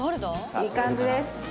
いい感じです。